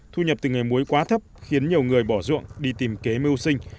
thu nhập từ nghề muối quá thấp khiến nhiều người bỏ ruộng đi tìm kế mưu sinh